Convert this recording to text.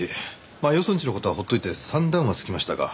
まあよそんちの事は放っといて算段はつきましたか？